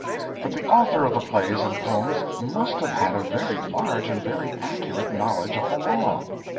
But the author of the Plays and Poems must have had a very large and a very accurate knowledge of the law.